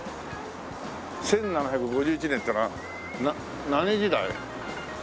１７５１年ってのは何時代？